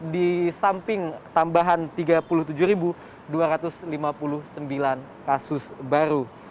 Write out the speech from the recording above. di samping tambahan tiga puluh tujuh dua ratus lima puluh sembilan kasus baru